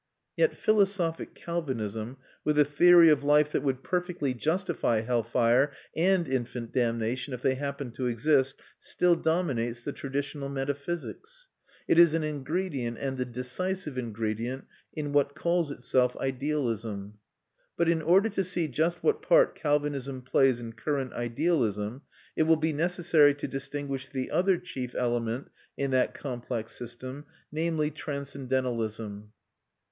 Yet philosophic Calvinism, with a theory of life that would perfectly justify hell fire and infant damnation if they happened to exist, still dominates the traditional metaphysics. It is an ingredient, and the decisive ingredient, in what calls itself idealism. But in order to see just what part Calvinism plays in current idealism, it will be necessary to distinguish the other chief element in that complex system, namely, transcendentalism.